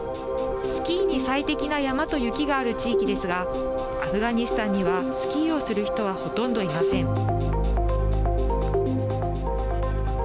スキーに最適な山と雪がある地域ですがアフガニスタンにはスキーをする人は、ほとんどいません。